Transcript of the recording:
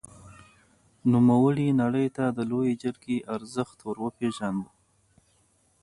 نوموړي نړۍ ته د لويې جرګې ارزښت ور وپېژاند.